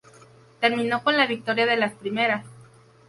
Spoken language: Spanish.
Terminó con la victoria de las primeras.